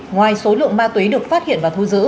ngoài số lượng ma túy được phát hiện và thu giữ